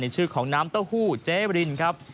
ชื่อของน้ำเต้าหู้เจ๊บรินครับ